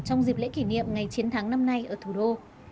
trong dịp lễ kỷ niệm ngày chiến thắng năm nay ở thủ đô